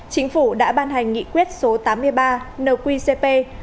chính phủ đã ban hành nghị quyết số tám mươi ba nqcp